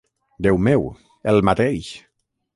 Déu meu, el mateix!